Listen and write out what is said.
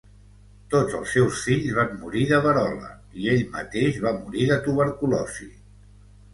Tots els seus fills van morir de verola, i ell mateix va morir de tuberculosi.